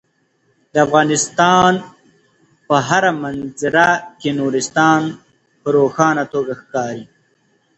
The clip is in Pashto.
د افغانستان په هره منظره کې نورستان په روښانه توګه ښکاري.